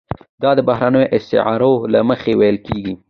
دا د بهرنیو اسعارو له مخې ویل کیږي.